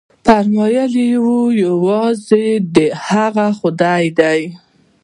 فرمانروايي یوازې د هغه خدای ده.